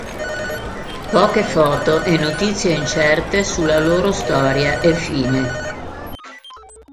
Poche foto e notizie incerte sulla loro storia e fine.